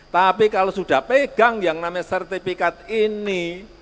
tapi kalau sudah pegang yang namanya sertifikat ini